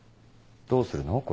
どうするの？